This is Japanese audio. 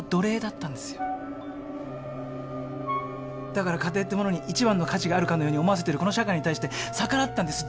だから家庭ってものに一番の価値があるかのように思わせてるこの社会に対して逆らったんです。